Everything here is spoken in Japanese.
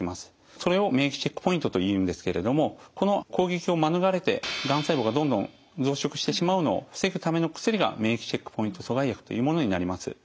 それを免疫チェックポイントというんですけれどもこの攻撃を免れてがん細胞がどんどん増殖してしまうのを防ぐための薬が免疫チェックポイント阻害薬というものになります。